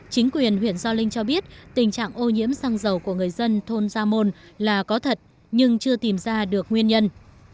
chính quyền huyện gio linh cho biết tình trạng ô nhiễm xăng dầu của người dân thôn gia môn là có thật nhưng chưa tìm ra được nguyên nhân